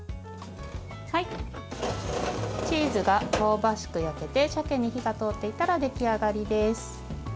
チーズが香ばしく焼けてさけに火が通っていたら出来上がりです。